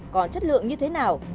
còn chất lượng như thế nào